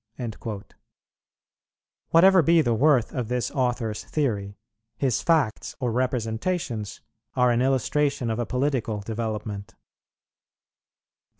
"[43:1] Whatever be the worth of this author's theory, his facts or representations are an illustration of a political development.